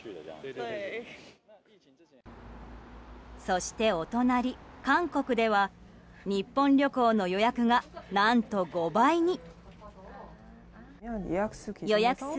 そしてお隣、韓国では日本旅行の予約が、何と５倍に。